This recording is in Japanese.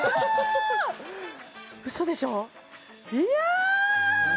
ウソでしょいや！